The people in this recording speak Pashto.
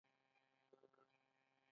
آیا په ودونو کې د ښځو ټپې ځانګړی خوند نلري؟